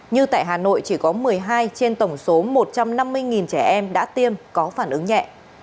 như tại hà nội chỉ có một mươi hai trên tổng số một trăm năm mươi trẻ em đã tiêm có phản ứng nhẹ